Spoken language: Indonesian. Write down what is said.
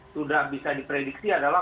sudah bisa diprediksi adalah